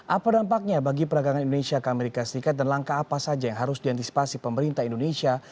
apa dampaknya bagi peragangan indonesia ke amerika serikat dan langkah apa saja yang harus diantisipasi pemerintah indonesia